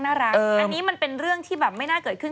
อันนี้มันเป็นเรื่องที่แบบไม่น่าเกิดขึ้น